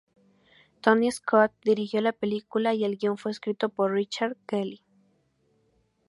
Tony Scott dirigió la película y el guion fue escrito por Richard Kelly.